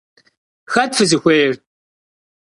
Хэт фызыхуейр?